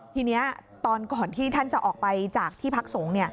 ทีนี้ตอนก่อนที่ท่านจะออกไปจากที่พักสงฆ์